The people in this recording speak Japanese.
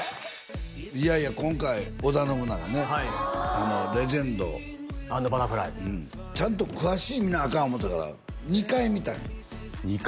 いやいや今回織田信長ねはい「レジェンド」「＆バタフライ」ちゃんと詳しく見なアカン思うたから２回見たんよ２回？